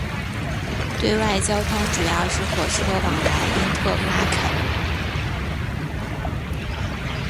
对外交通主要是火车往来因特拉肯。